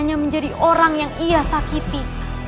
hanya menjadi orang yang ia sakiti